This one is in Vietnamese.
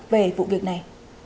về vụ việc này